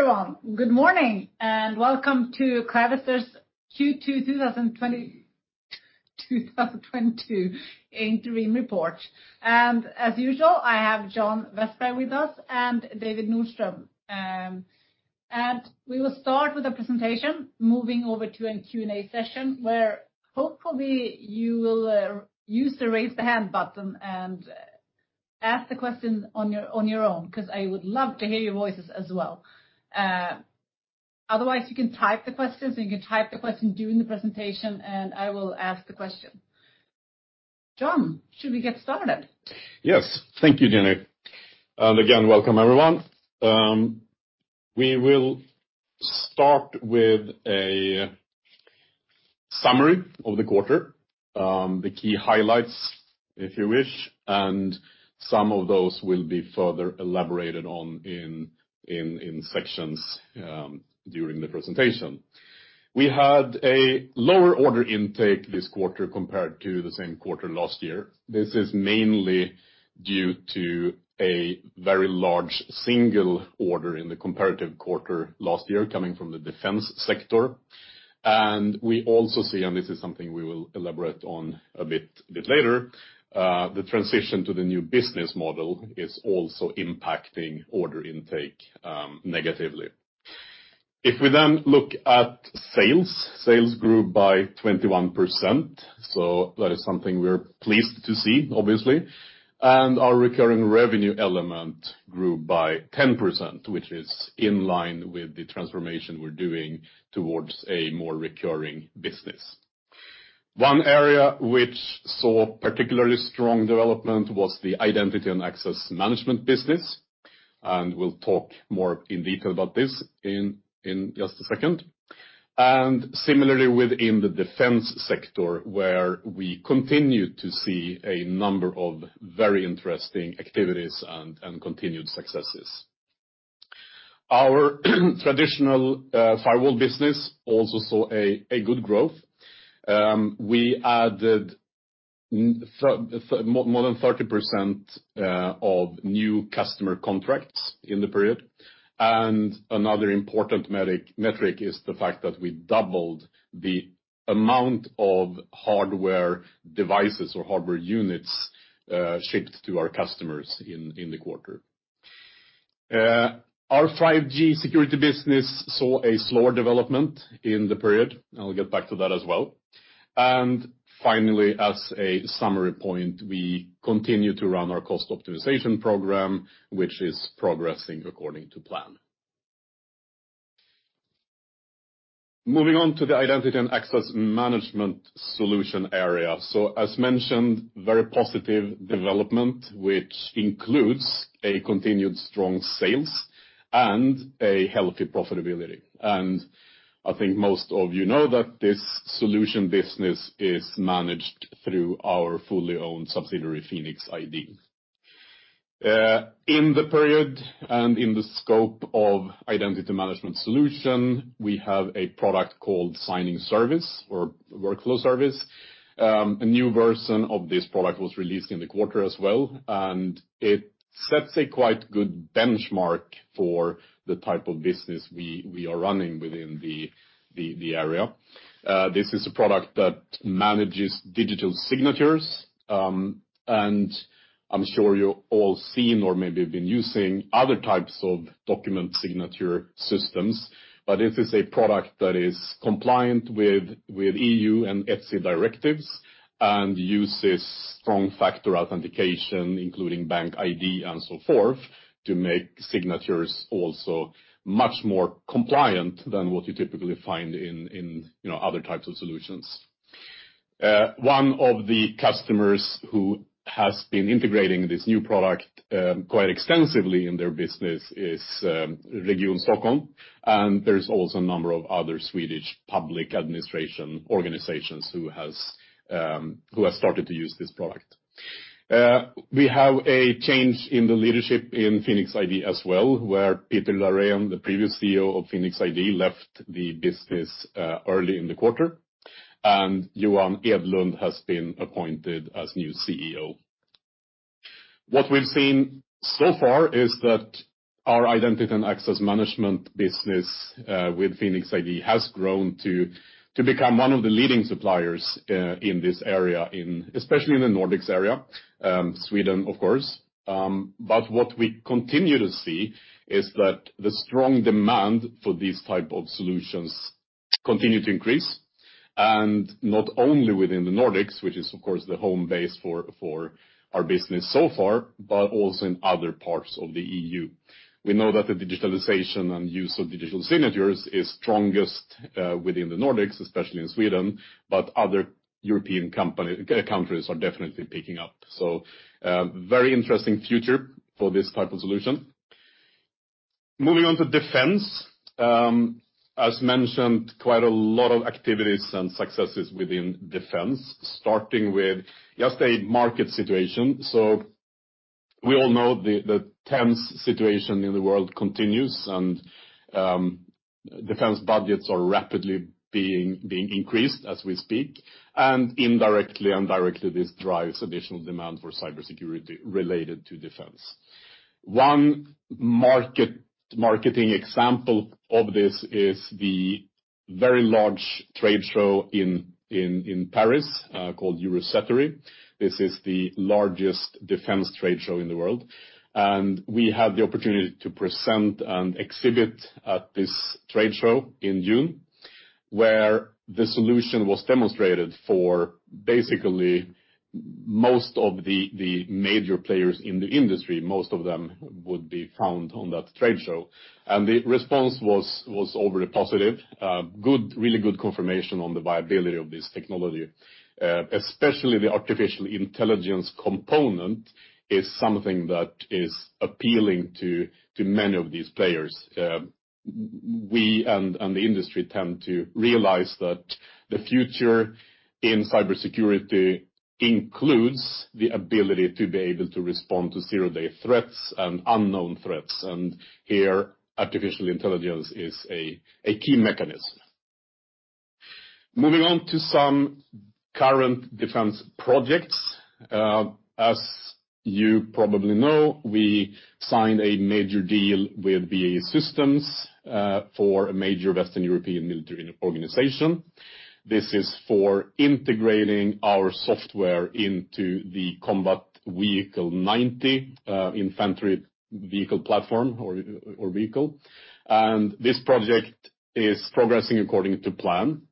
Hello, everyone. Good morning, and welcome to Clavister's Q2 2022 interim report. As usual, I have John Vestberg with us and David Nordström. We will start with a presentation, moving over to a Q&A session, where hopefully you will use the Raise the Hand button and ask the question on your own, 'cause I would love to hear your voices as well. Otherwise you can type the question during the presentation, and I will ask the question. John, should we get started? Yes. Thank you, Jenny. Again, welcome, everyone. We will start with a summary of the quarter, the key highlights, if you wish, and some of those will be further elaborated on in sections during the presentation. We had a lower order intake this quarter compared to the same quarter last year. This is mainly due to a very large single order in the comparative quarter last year coming from the defense sector. We also see, and this is something we will elaborate on a bit later, the transition to the new business model is also impacting order intake negatively. If we then look at sales grew by 21%, so that is something we are pleased to see, obviously. Our recurring revenue element grew by 10%, which is in line with the transformation we are doing towards a more recurring business. One area which saw particularly strong development was the identity and access management business, and we'll talk more in detail about this in just a second. Similarly, within the defense sector, where we continue to see a number of very interesting activities and continued successes. Our traditional firewall business also saw a good growth. We added more than 30% of new customer contracts in the period. Another important metric is the fact that we doubled the amount of hardware devices or hardware units shipped to our customers in the quarter. Our 5G security business saw a slower development in the period. I'll get back to that as well. Finally, as a summary point, we continue to run our cost optimization program, which is progressing according to plan. Moving on to the identity and access management solution area. As mentioned, very positive development, which includes continued strong sales and healthy profitability. I think most of you know that this solution business is managed through our fully owned subsidiary, PhenixID. In the period and in the scope of identity management solution, we have a product called Signing Service or Workflow Service. A new version of this product was released in the quarter as well, and it sets a quite good benchmark for the type of business we are running within the area. This is a product that manages digital signatures, and I'm sure you've all seen or maybe been using other types of document signature systems. This is a product that is compliant with EU and ETSI directives and uses strong factor authentication, including BankID and so forth, to make signatures also much more compliant than what you typically find in you know other types of solutions. One of the customers who has been integrating this new product quite extensively in their business is Region Stockholm, and there's also a number of other Swedish public administration organizations who have started to use this product. We have a change in the leadership in PhenixID as well, where Peter Laurén, the previous CEO of PhenixID, left the business early in the quarter, and Johan Edlund has been appointed as new CEO. What we've seen so far is that our identity and access management business with PhenixID has grown to become one of the leading suppliers in this area, especially in the Nordics area, Sweden, of course. What we continue to see is that the strong demand for these type of solutions continue to increase, and not only within the Nordics, which is, of course, the home base for our business so far, but also in other parts of the EU. We know that the digitalization and use of digital signatures is strongest within the Nordics, especially in Sweden, but other European countries are definitely picking up. Very interesting future for this type of solution. Moving on to defense. As mentioned quite a lot of activities and successes within defense, starting with just a market situation. We all know the tense situation in the world continues and defense budgets are rapidly being increased as we speak, and indirectly and directly, this drives additional demand for cybersecurity related to defense. One marketing example of this is the very large trade show in Paris called Eurosatory. This is the largest defense trade show in the world. We had the opportunity to present an exhibit at this trade show in June, where the solution was demonstrated for basically most of the major players in the industry, most of them would be found on that trade show. The response was overly positive. Good, really good confirmation on the viability of this technology. Especially the artificial intelligence component is something that is appealing to many of these players. We and the industry tend to realize that the future in cybersecurity includes the ability to be able to respond to zero-day threats and unknown threats. Here, artificial intelligence is a key mechanism. Moving on to some current defense projects. As you probably know, we signed a major deal with BAE Systems for a major Western European military organization. This is for integrating our software into the Combat Vehicle 90 infantry vehicle platform or vehicle. This project is progressing according to plan.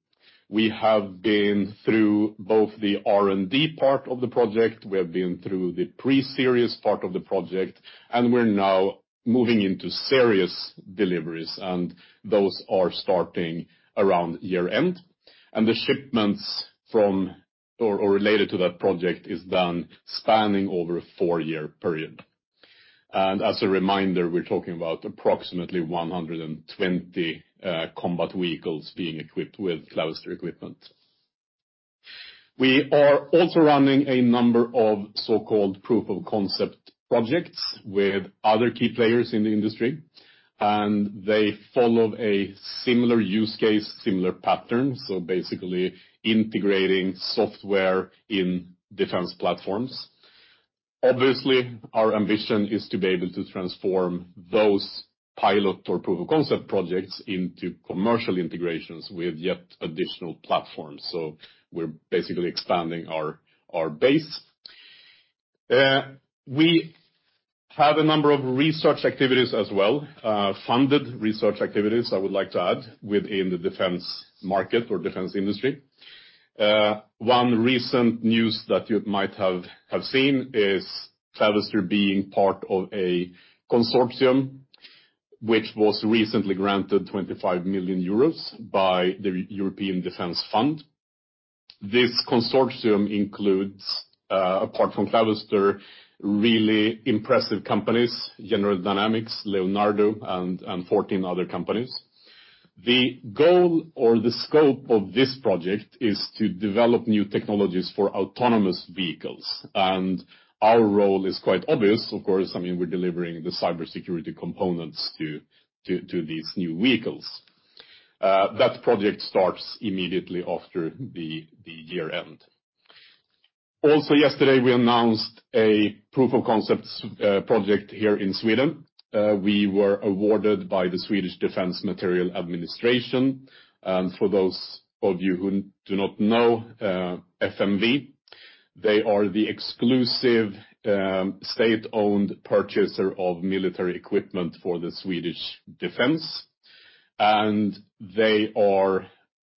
We have been through both the R&D part of the project, we have been through the pre-series part of the project, and we are now moving into series deliveries, and those are starting around year-end. The shipments for or related to that project is done spanning over a four-year period. As a reminder, we are talking about approximately 120 combat vehicles being equipped with Clavister equipment. We are also running a number of so-called proof-of-concept projects with other key players in the industry, and they follow a similar use case, similar pattern, so basically integrating software in defense platforms. Obviously, our ambition is to be able to transform those pilot or proof-of-concept projects into commercial integrations with yet additional platforms. We are basically expanding our base. We have a number of research activities as well, funded research activities, I would like to add, within the defense market or defense industry. One recent news that you might have seen is Clavister being part of a consortium which was recently granted 25 million euros by the European Defense Fund. This consortium includes, apart from Clavister, really impressive companies, General Dynamics, Leonardo, and 14 other companies. The goal or the scope of this project is to develop new technologies for autonomous vehicles. Our role is quite obvious, of course, I mean, we are delivering the cybersecurity components to these new vehicles. That project starts immediately after the year end. Also yesterday, we announced a proof of concept project here in Sweden. We were awarded by the Swedish Defense Materiel Administration. For those of you who do not know, FMV, they are the exclusive, state-owned purchaser of military equipment for the Swedish Defense. And they are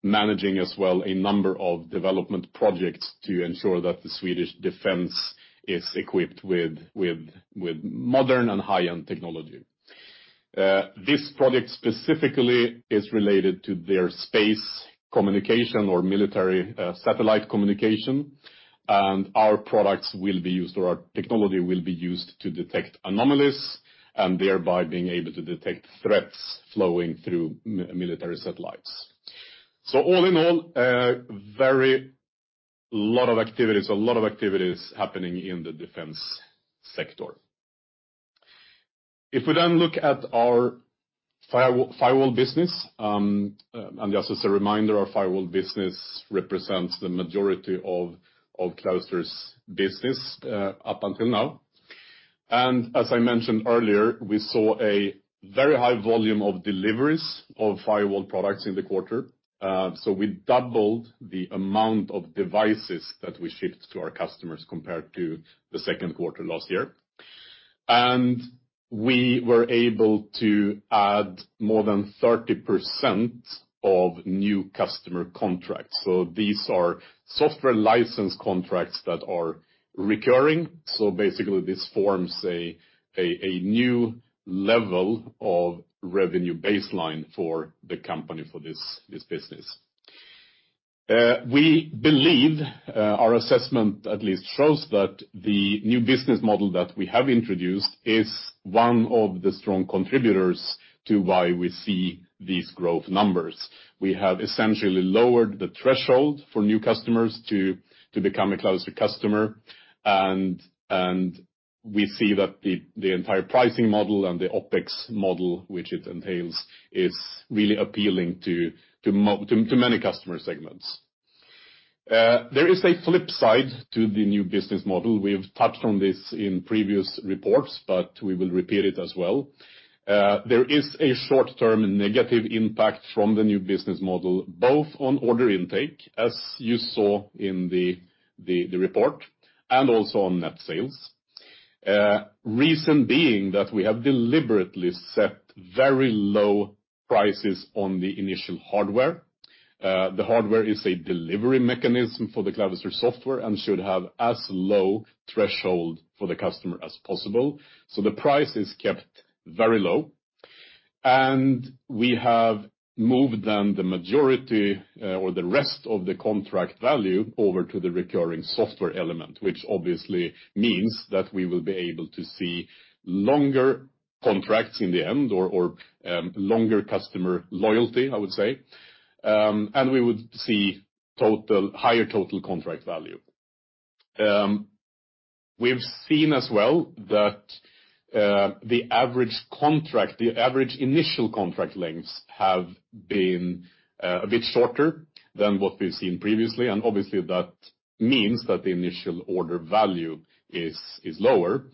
managing as well a number of development projects to ensure that the Swedish Defense is equipped with modern and high-end technology. This project specifically is related to their space communication or military satellite communication, and our products will be used, or our technology will be used to detect anomalies, and thereby being able to detect threats flowing through military satellites. All in all, a lot of activities happening in the defense sector. If we then look at our firewall business, and just as a reminder, our firewall business represents the majority of Clavister's business up until now. As I mentioned earlier, we saw a very high volume of deliveries of firewall products in the quarter. We doubled the amount of devices that we shipped to our customers compared to the Q2 last year. We were able to add more than 30% of new customer contracts. These are software license contracts that are recurring. Basically this forms a new level of revenue baseline for the company for this business. We believe our assessment at least shows that the new business model that we have introduced is one of the strong contributors to why we see these growth numbers. We have essentially lowered the threshold for new customers to become a Clavister customer and we see that the entire pricing model and the OpEx model, which it entails, is really appealing to many customer segments. There is a flip side to the new business model. We've touched on this in previous reports, but we will repeat it as well. There is a short-term negative impact from the new business model, both on order intake, as you saw in the report, and also on net sales. Reason being that we have deliberately set very low prices on the initial hardware. The hardware is a delivery mechanism for the Clavister software and should have as low threshold for the customer as possible. The price is kept very low. We have moved then the majority, or the rest of the contract value over to the recurring software element, which obviously means that we will be able to see longer contracts in the end or longer customer loyalty, I would say. We would see higher total contract value. We've seen as well that the average initial contract lengths have been a bit shorter than what we've seen previously. Obviously, that means that the initial order value is lower.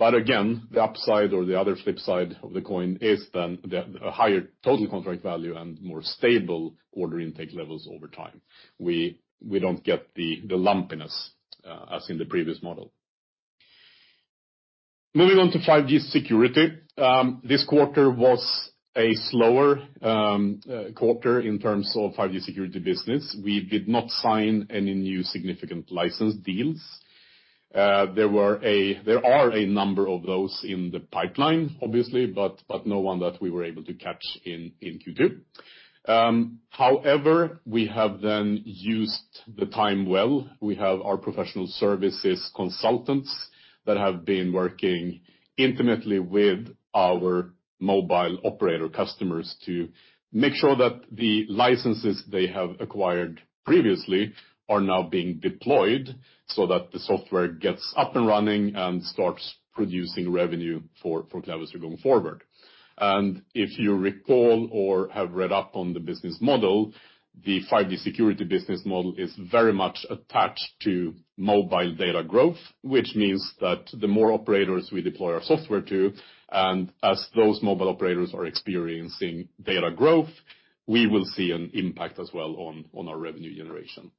Again, the upside or the other flip side of the coin is then a higher total contract value and more stable order intake levels over time. We don't get the lumpiness as in the previous model. Moving on to 5G security. This quarter was a slower quarter in terms of 5G security business. We did not sign any new significant license deals. There are a number of those in the pipeline, obviously, but no one that we were able to catch in Q2. However, we have then used the time well. We have our professional services consultants that have been working intimately with our mobile operator customers to make sure that the licenses they have acquired previously are now being deployed so that the software gets up and running and starts producing revenue for Clavister going forward. If you recall or have read up on the business model, the 5G security business model is very much attached to mobile data growth, which means that the more operators we deploy our software to, and as those mobile operators are experiencing data growth, we will see an impact as well on our revenue generation.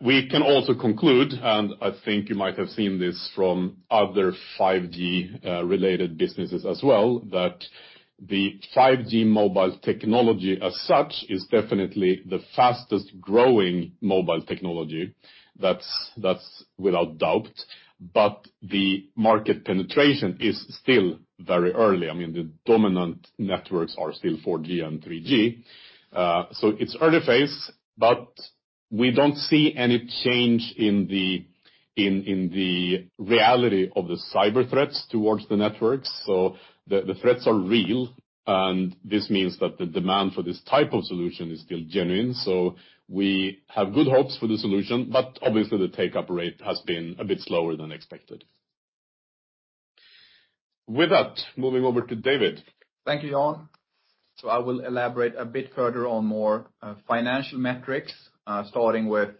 We can also conclude, and I think you might have seen this from other 5G related businesses as well, that the 5G mobile technology as such is definitely the fastest-growing mobile technology. That's without doubt. The market penetration is still very early. I mean, the dominant networks are still 4G and 3G. It's early phase, but we don't see any change in the reality of the cyber threats towards the networks. The threats are real, and this means that the demand for this type of solution is still genuine. We have good hopes for the solution, but obviously, the take-up rate has been a bit slower than expected. With that, moving over to David. Thank you, John. I will elaborate a bit further on more financial metrics, starting with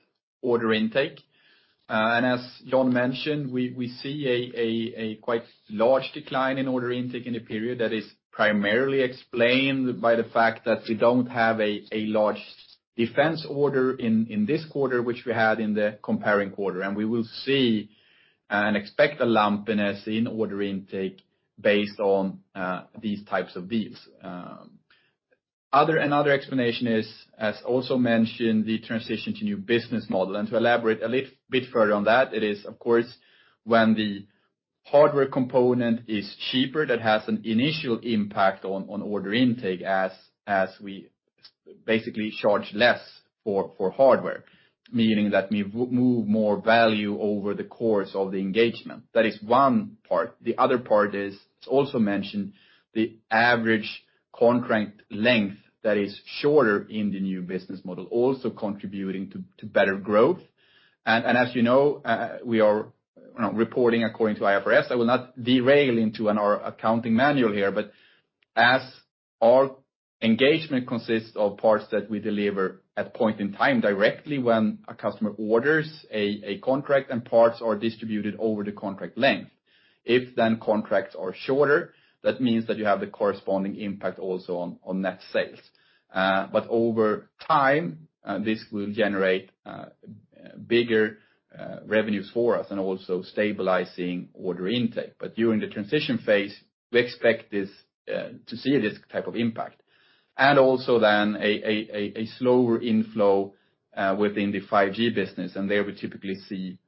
order intake. As John, mentioned, we see a quite large decline in order intake in the period that is primarily explained by the fact that we don't have a large defense order in this quarter, which we had in the comparison quarter. We will see and expect a lumpiness in order intake based on these types of deals. Another explanation is, as also mentioned, the transition to new business model. To elaborate a little bit further on that, it is of course, when the hardware component is cheaper, that has an initial impact on order intake as we basically charge less for hardware, meaning that we move more value over the course of the engagement. That is one part. The other part is, it's also mentioned, the average contract length that is shorter in the new business model also contributing to better growth. As you know, we are reporting according to IFRS. I will not derail into our accounting manual here, but as our engagement consists of parts that we deliver at point in time directly when a customer orders a contract and parts are distributed over the contract length. If then contracts are shorter, that means that you have the corresponding impact also on net sales. Over time, this will generate bigger revenues for us and also stabilizing order intake. During the transition phase, we expect to see this type of impact. Also a slower inflow within the 5G business. There we typically see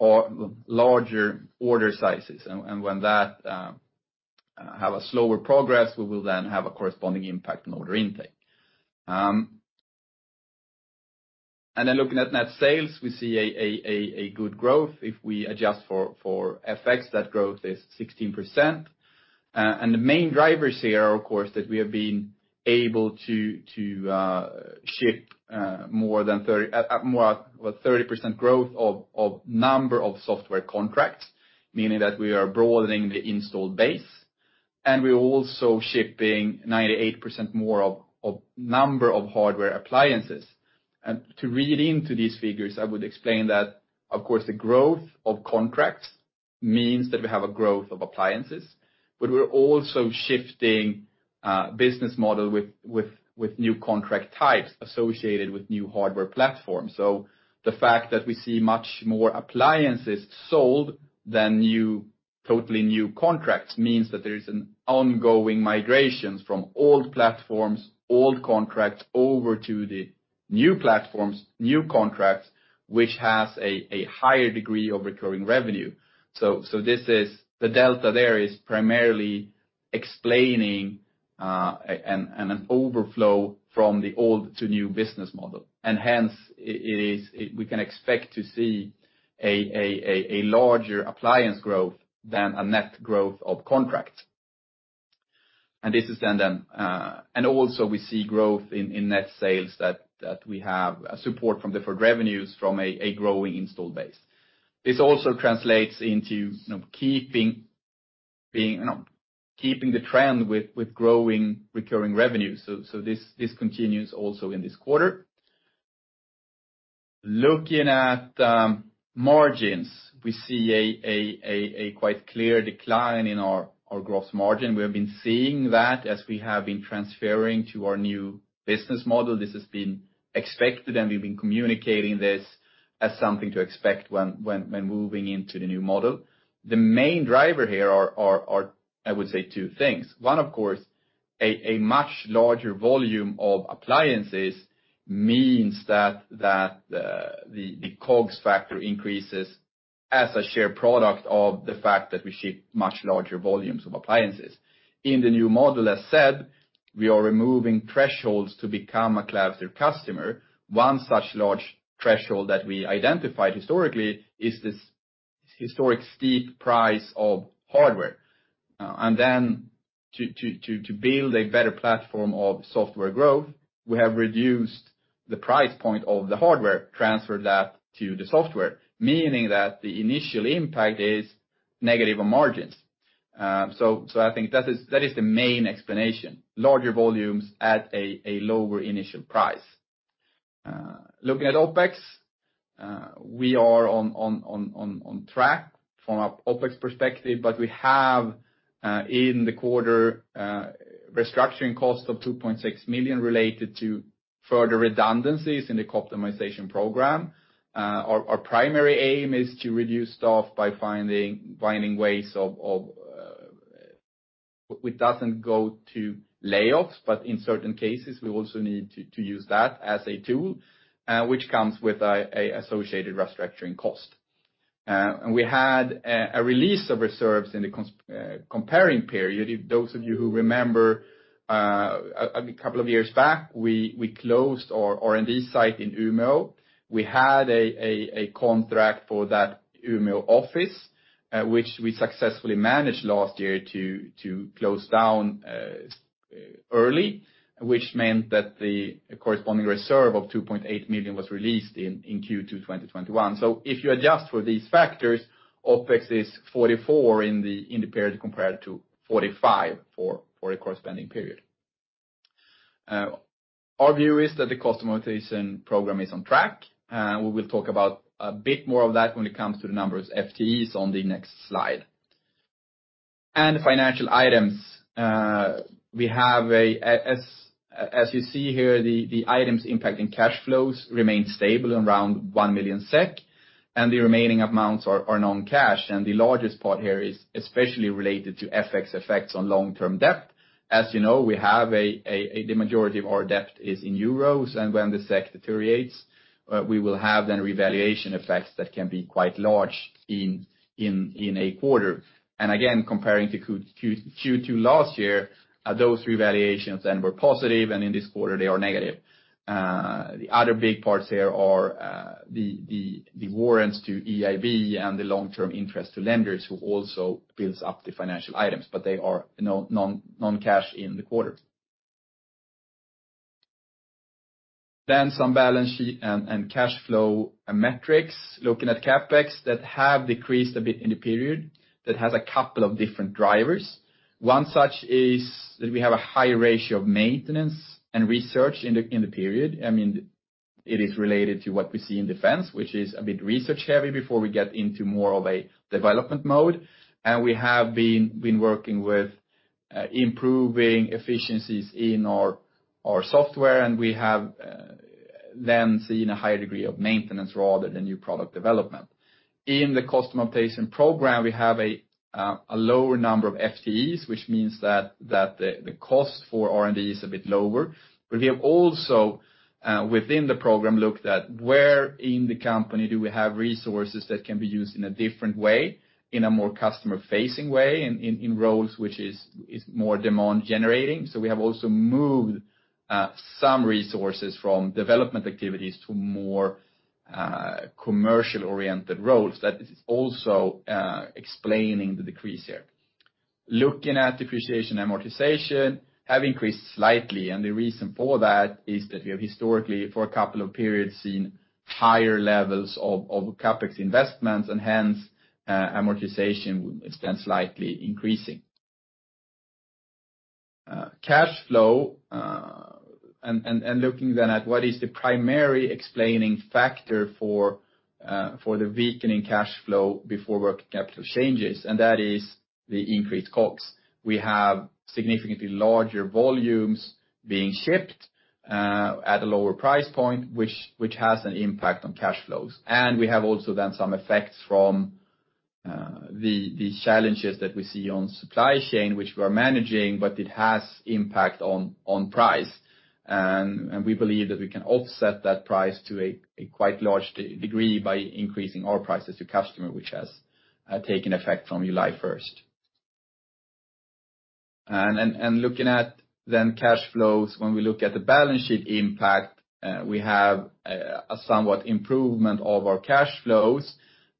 our larger order sizes. When that has a slower progress, we will then have a corresponding impact on order intake. Looking at net sales, we see a good growth. If we adjust for FX, that growth is 16%. The main drivers here are, of course, that we have been able to ship more than 30% growth of number of software contracts, meaning that we are broadening the installed base, and we're also shipping 98% more of number of hardware appliances. To read into these figures, I would explain that, of course, the growth of contracts means that we have a growth of appliances, but we are also shifting business model with new contract types associated with new hardware platforms. The fact that we see much more appliances sold than new, totally new contracts means that there is an ongoing migrations from old platforms, old contracts over to the new platforms, new contracts, which has a higher degree of recurring revenue. This is the delta there is primarily explaining an overflow from the old to new business model. Hence it is we can expect to see a larger appliance growth than a net growth of contracts. This is then and also we see growth in net sales that we have a support from deferred revenues from a growing install base. This also translates into you know keeping the trend with growing recurring revenues. This continues also in this quarter. Looking at margins, we see a quite clear decline in our gross margin. We have been seeing that as we have been transferring to our new business model. This has been expected, and we have been communicating this as something to expect when moving into the new model. The main driver here are, I would say, two things. One, of course, a much larger volume of appliances means that the COGS factor increases as a shared product of the fact that we ship much larger volumes of appliances. In the new model, as said, we are removing thresholds to become a classic customer. One such large threshold that we identified historically is this historic steep price of hardware. To build a better platform of software growth, we have reduced the price point of the hardware, transferred that to the software, meaning that the initial impact is negative on margins. I think that is the main explanation, larger volumes at a lower initial price. Looking at OpEx, we are on track from OpEx perspective, but we have in the quarter restructuring costs of 2.6 million related to further redundancies in the cost optimization program. Our primary aim is to reduce staff by finding ways of. It doesn't go to layoffs, but in certain cases, we also need to use that as a tool, which comes with a associated restructuring cost. We had a release of reserves in the corresponding period. Those of you who remember, a couple of years back, we closed our R&D site in Umeå. We had a contract for that Umeå office, which we successfully managed last year to close down early, which meant that the corresponding reserve of 2.8 million was released in Q2 2021. If you adjust for these factors, OpEx is 44 million in the period compared to 45 million for the corresponding period. Our view is that the cost optimization program is on track. We will talk about it a bit more when it comes to the number of FTEs on the next slide. Financial items, we have a... As you see here, the items impacting cash flows remain stable around 1 million SEK, and the remaining amounts are non-cash. The largest part here is especially related to FX effects on long-term debt. As you know, the majority of our debt is in euros, and when the SEK deteriorates, we will have then revaluation effects that can be quite large in a quarter. Again, comparing to Q2 last year, those revaluations then were positive, and in this quarter they are negative. The other big parts here are the warrants to EIB and the long-term interest to lenders who also builds up the financial items, but they are non-cash in the quarter. Some balance sheet and cash flow metrics. Looking at CapEx, that have decreased a bit in the period. That has a couple of different drivers. One such is that we have a high ratio of maintenance and research in the period. I mean, it is related to what we see in defense, which is a bit research-heavy before we get into more of a development mode. We have been working with improving efficiencies in our software, and we have then seen a higher degree of maintenance rather than new product development. In the cost optimization program, we have a lower number of FTEs, which means that the cost for R&D is a bit lower. We have also within the program, looked at where in the company do we have resources that can be used in a different way, in a more customer-facing way, in roles which is more demand generating. We have also moved some resources from development activities to more commercial oriented roles that is also explaining the decrease here. Looking at depreciation, amortization have increased slightly, and the reason for that is that we have historically, for a couple of periods, seen higher levels of CapEx investments and hence amortization is then slightly increasing. Cash flow and looking then at what is the primary explaining factor for the weakening cash flow before working capital changes, and that is the increased COGS. We have significantly larger volumes being shipped at a lower price point, which has an impact on cash flows. We have also then some effects from the challenges that we see on supply chain, which we are managing, but it has impact on price. We believe that we can offset that price to a quite large degree by increasing our prices to customer, which has taken effect from July 1st. Looking at the cash flows when we look at the balance sheet impact, we have a somewhat improvement of our cash flows,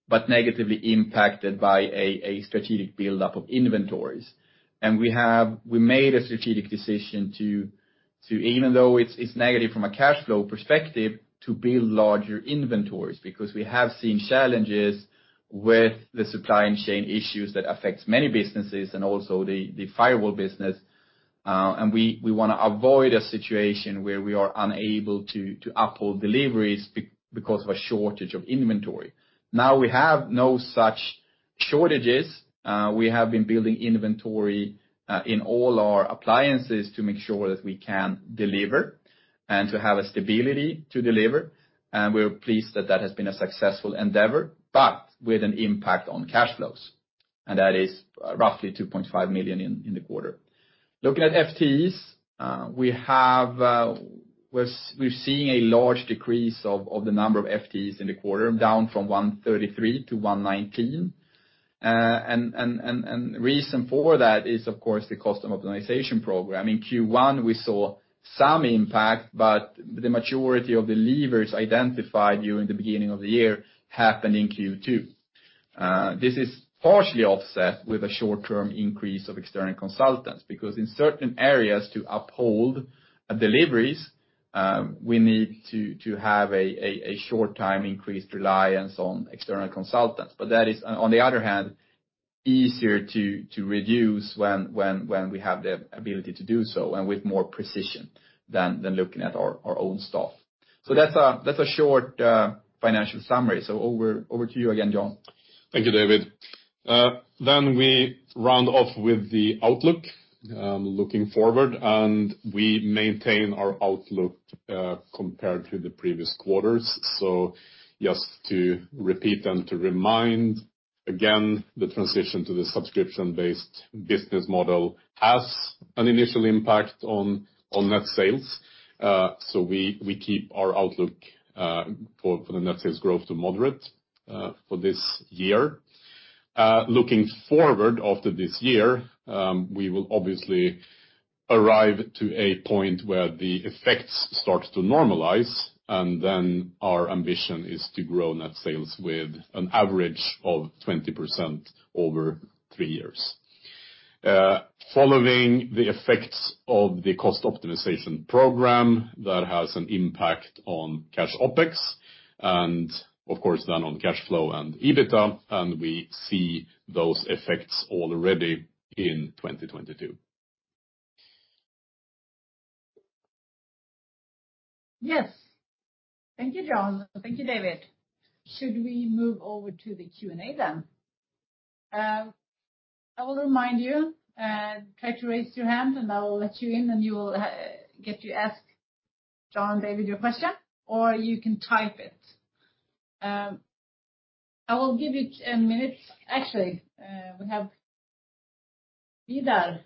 but negatively impacted by a strategic buildup of inventories. We made a strategic decision to even though it's negative from a cash flow perspective, to build larger inventories, because we have seen challenges with the supply chain issues that affects many businesses and also the firewall business. We wanna avoid a situation where we are unable to uphold deliveries because of a shortage of inventory. Now we have no such shortages. We have been building inventory in all our appliances to make sure that we can deliver and to have a stability to deliver. We are pleased that that has been a successful endeavor, but with an impact on cash flows. That is roughly 2.5 million in the quarter. Looking at FTEs, we're seeing a large decrease of the number of FTEs in the quarter, down from 133 to 119. The reason for that is, of course, the cost optimization program. In Q1, we saw some impact, but the majority of the levers identified during the beginning of the year happened in Q2. This is partially offset with a short-term increase of external consultants, because in certain areas, to uphold deliveries, we need to have a short time increased reliance on external consultants. That is, on the other hand, easier to reduce when we have the ability to do so, and with more precision than looking at our own staff. That's a short financial summary. Over to you again, John Vestberg. Thank you, David. We round off with the outlook, looking forward, and we maintain our outlook, compared to the previous quarters. Just to repeat and to remind again, the transition to the subscription-based business model has an initial impact on net sales. We keep our outlook for the net sales growth to moderate for this year. Looking forward after this year, we will obviously arrive to a point where the effects start to normalize, and then our ambition is to grow net sales with an average of 20% over three years. Following the effects of the cost optimization program, that has an impact on cash OpEx, and of course, then on cash flow and EBITDA, and we see those effects already in 2022. Yes. Thank you, John. Thank you, David. Should we move over to the Q&A then? I will remind you, try to raise your hand and I will let you in, and you will get to ask John and David your question, or you can type it. I will give it a minute. Actually, we have Vidar.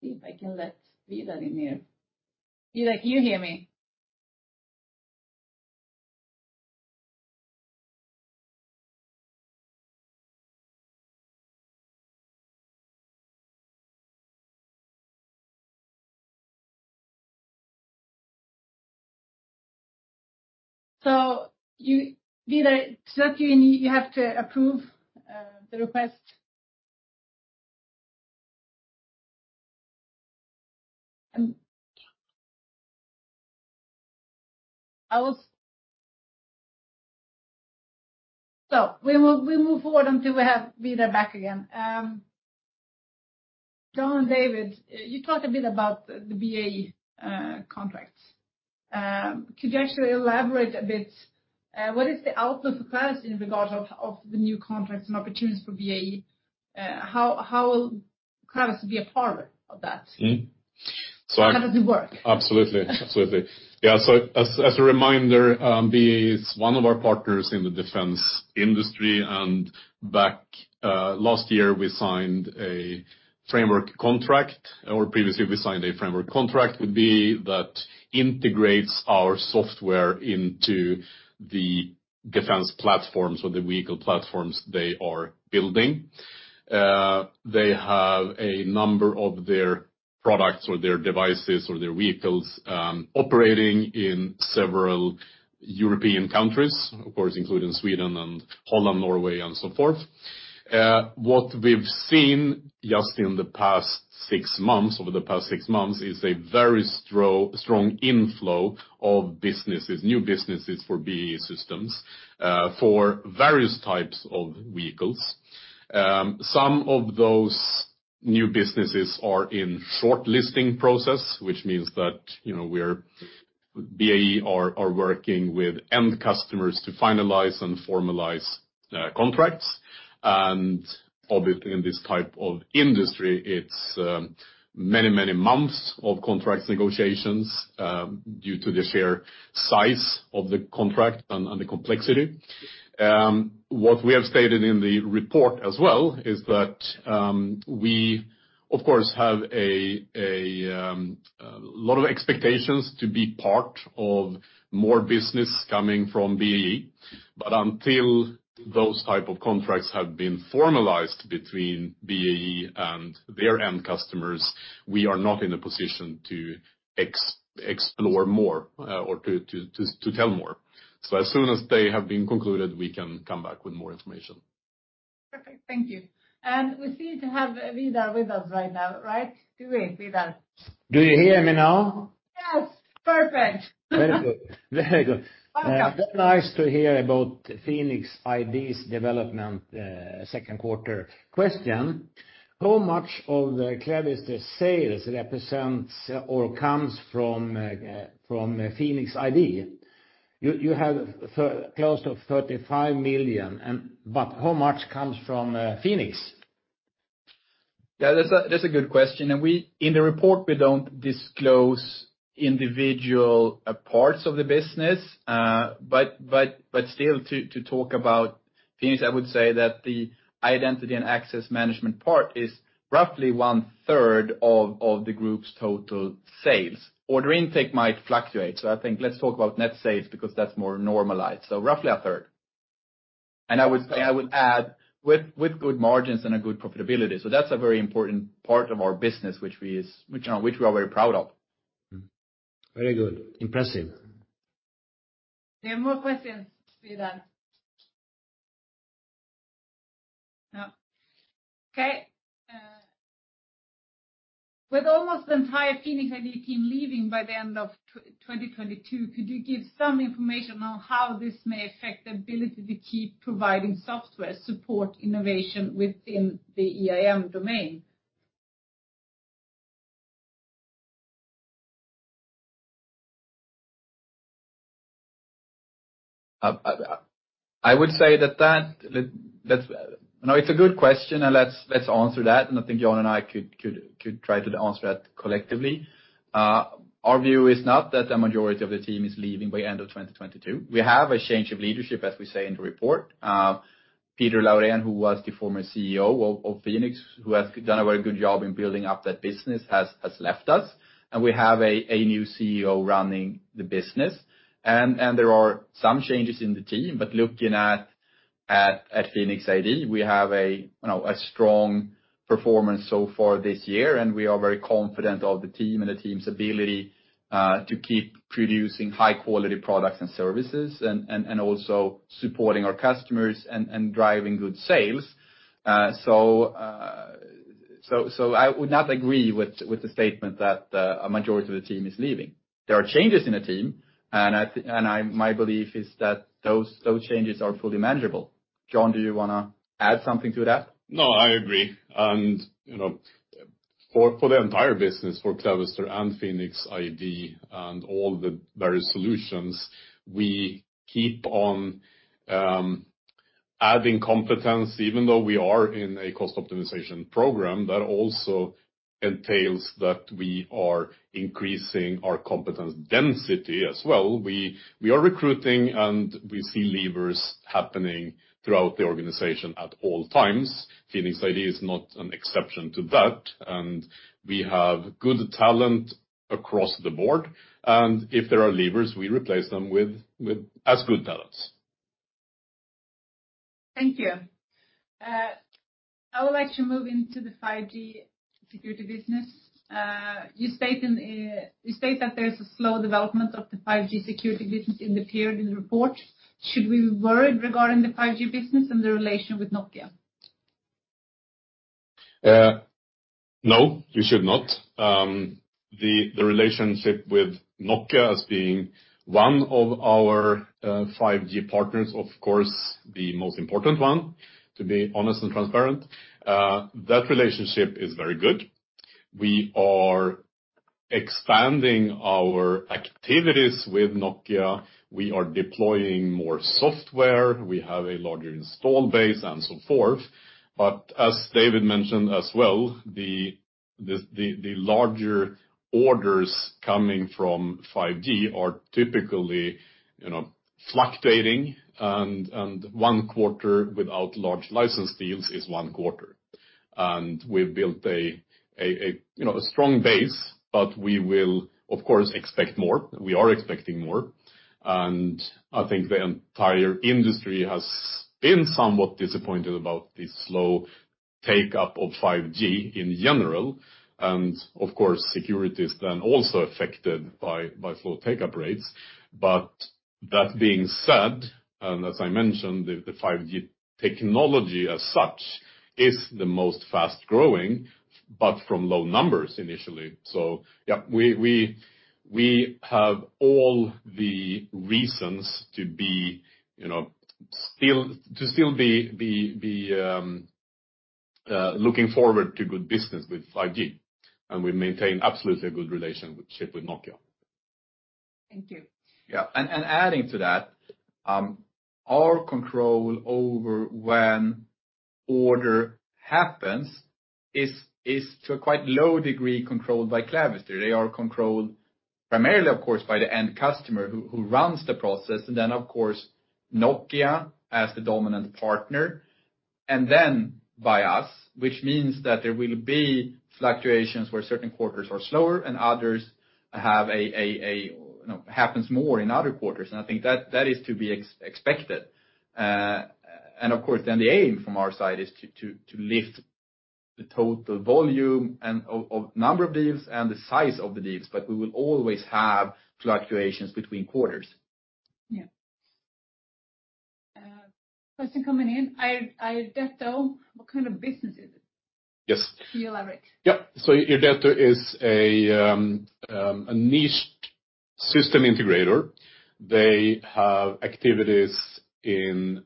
See if I can let Vidar in here. Vidar, can you hear me? Vidar, it's not you have to approve the request. So we will move forward until we have Vidar back again. John and David, you talked a bit about the BAE Systems contracts. Could you actually elaborate a bit, what is the outlook for Clavister in regard of the new contracts and opportunities for BAE Systems? How will Clavister be a part of that? Mm. So I- How does it work? Absolutely. Yeah. As a reminder, BAE is one of our partners in the defense industry, and last year we signed a framework contract that integrates our software into the defense platforms or the vehicle platforms they are building. They have a number of their products or their devices or their vehicles operating in several European countries, of course, including Sweden and Holland, Norway, and so forth. What we've seen in the past six months is a very strong inflow of new businesses for BAE Systems for various types of vehicles. Some of those new businesses are in shortlisting process, which means that, you know, BAE are working with end customers to finalize and formalize contracts. Obviously, in this type of industry, it's many months of contract negotiations due to the sheer size of the contract and the complexity. What we have stated in the report as well is that we of course have a lot of expectations to be part of more business coming from BAE. Until those type of contracts have been formalized between BAE and their end customers, we are not in a position to explore more or to tell more. As soon as they have been concluded, we can come back with more information. Perfect. Thank you. We seem to have Vidar with us right now, right? Do we? Vidar. Do you hear me now? Yes. Perfect. Very good. Very good. Welcome. Very nice to hear about PhenixID's development, Q2. Question: how much of the Clavister sales represents or comes from PhenixID? You have close to 35 million but how much comes from PhenixID? Yeah, that's a good question. In the report, we don't disclose individual parts of the business. But still to talk about PhenixID, I would say that the identity and access management part is roughly 1/3 of the group's total sales. Order intake might fluctuate, so I think let's talk about net sales because that's more normalized. Roughly 1/3. I would say, I would add, with good margins and a good profitability. That's a very important part of our business, which we are very proud of. Mm-hmm. Very good. Impressive. There are more questions, Vidar. No. Okay. With almost the entire PhenixID team leaving by the end of 2022, could you give some information on how this may affect the ability to keep providing software support innovation within the EIM domain? I would say that. No, it's a good question, and let's answer that. I think John Vestberg and I could try to answer that collectively. Our view is not that a majority of the team is leaving by end of 2022. We have a change of leadership, as we say in the report. Peter Laurén, who was the Former CEO of PhenixID, who has done a very good job in building up that business, has left us, and we have a new CEO running the business. There are some changes in the team, but looking at PhenixID, we have a, you know, a strong performance so far this year, and we are very confident of the team and the team's ability to keep producing high-quality products and services and also supporting our customers and driving good sales. I would not agree with the statement that a majority of the team is leaving. There are changes in the team, and my belief is that those changes are fully manageable. John, do you wanna add something to that? No, I agree. You know, for the entire business, for Clavister and PhenixID and all the various solutions, we keep on adding competence. Even though we are in a cost optimization program, that also entails that we are increasing our competence density as well. We are recruiting, and we see levers happening throughout the organization at all times. PhenixID is not an exception to that. We have good talent across the board. If there are levers, we replace them with as good talents. Thank you. I would like to move into the 5G security business. You state that there's a slow development of the 5G security business in the period in the report. Should we be worried regarding the 5G business and the relation with Nokia? No, you should not. The relationship with Nokia as being one of our 5G partners, of course, the most important one, to be honest and transparent, that relationship is very good. We are expanding our activities with Nokia. We are deploying more software. We have a larger install base and so forth. As David mentioned as well, the larger orders coming from 5G are typically, you know, fluctuating and one quarter without large license deals is one quarter. We've built a strong base, but we will of course expect more. We are expecting more. I think the entire industry has been somewhat disappointed about the slow take-up of 5G in general. Of course, security is then also affected by slow take-up rates. That being said, and as I mentioned, the 5G technology as such is the most fast-growing, but from low numbers initially. Yeah, we have all the reasons to be, you know, still to be looking forward to good business with 5G. We maintain absolutely a good relationship with Nokia. Thank you. Yeah. Adding to that, our control over when order happens is to a quite low degree controlled by Clavister. They are controlled primarily, of course, by the end customer who runs the process, and then of course, Nokia as the dominant partner, and then by us. Which means that there will be fluctuations where certain quarters are slower and others have, you know, happens more in other quarters. I think that is to be expected. Of course, then the aim from our side is to lift the total volume and of number of deals and the size of the deals, but we will always have fluctuations between quarters. Yeah. Question coming in. Irdeto, what kind of business is it? Yes. Can you elaborate? Yeah. Irdeto is a niche system integrator. They have activities in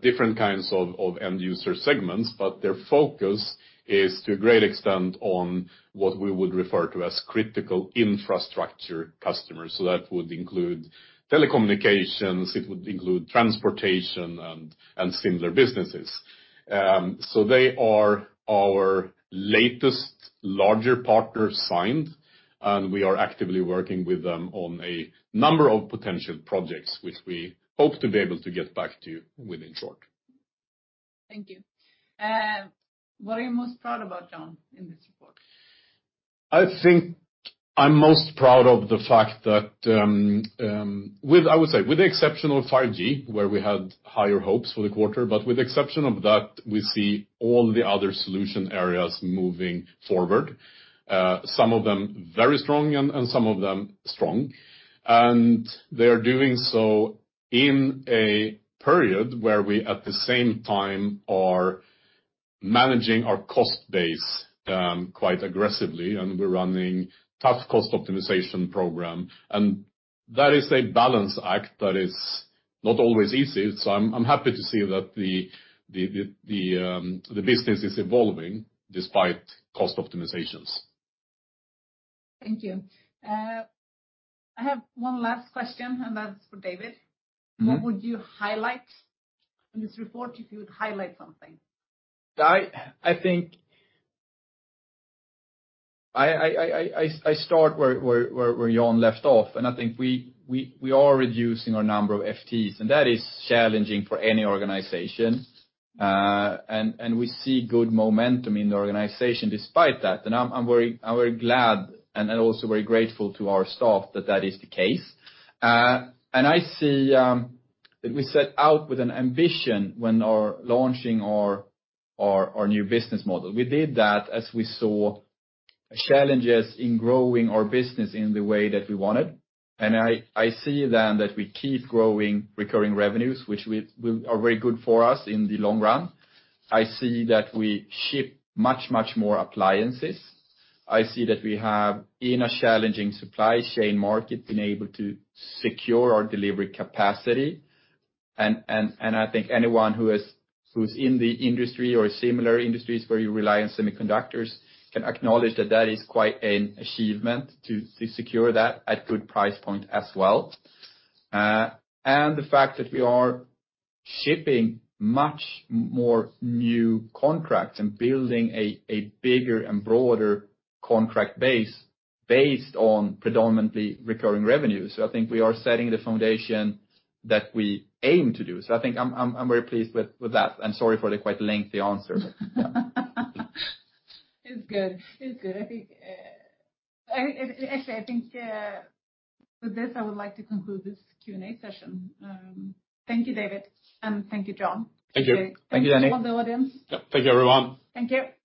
different kinds of end user segments, but their focus is to a great extent on what we would refer to as critical infrastructure customers. That would include telecommunications, it would include transportation and similar businesses. So they are our latest larger partner signed, and we are actively working with them on a number of potential projects, which we hope to be able to get back to you within short. Thank you. What are you most proud about, John Vestberg, in this report? I think I'm most proud of the fact that, I would say with the exception of 5G, where we had higher hopes for the quarter, but with the exception of that, we see all the other solution areas moving forward. Some of them very strong and some of them strong. They are doing so in a period where we at the same time are managing our cost base quite aggressively, and we are running tough cost optimization program. That is a balance act that is not always easy. I'm happy to see that the business is evolving despite cost optimizations. Thank you. I have one last question, and that's for David. Mm-hmm. What would you highlight in this report if you would highlight something? I think I start where John Vestberg left off, and I think we are reducing our number of FTEs, and that is challenging for any organization. We see good momentum in the organization despite that. I'm very glad and also very grateful to our staff that that is the case. I see we set out with an ambition when launching our new business model. We did that as we saw challenges in growing our business in the way that we wanted. I see then that we keep growing recurring revenues, which are very good for us in the long run. I see that we ship much more appliances. I see that we have, in a challenging supply chain market, been able to secure our delivery capacity. I think anyone who's in the industry or similar industries where you rely on semiconductors can acknowledge that is quite an achievement to secure that at good price point as well. The fact that we are shipping much more new contracts and building a bigger and broader contract base based on predominantly recurring revenues. I think we are setting the foundation that we aim to do. I think I'm very pleased with that. Sorry for the quite lengthy answer. Yeah. It's good. I think, actually, with this, I would like to conclude this Q&A session. Thank you, David, and thank you, John. Thank you. Thank you. Thank you for the audience. Yeah. Thank you, everyone. Thank you.